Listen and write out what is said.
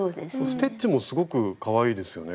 ステッチもすごくかわいいですよね